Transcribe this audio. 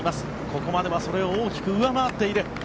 ここまではそれを大きく上回っている。